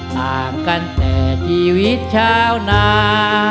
ต่างกันแต่ชีวิตชาวนา